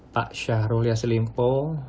pak syahrol yasselimpo